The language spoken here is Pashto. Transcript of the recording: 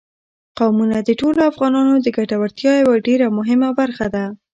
قومونه د ټولو افغانانو د ګټورتیا یوه ډېره مهمه برخه ده.